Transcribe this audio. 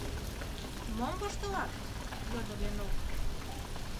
— Мом воштылат? — йодо Ленук.